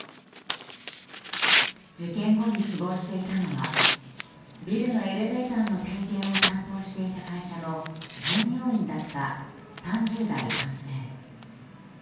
事件後に死亡していたのはビルのエレベーターの点検を担当していた会社の従業員だった３０代男性。